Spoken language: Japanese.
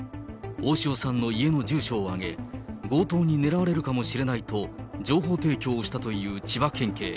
大塩さんの家の住所を挙げ、強盗に狙われるかもしれないと情報提供をしたという千葉県警。